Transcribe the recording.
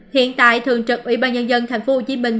hiện tại thượng trực ủy ban nhân dân thành phố hồ chí minh